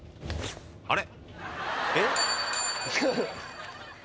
あれ？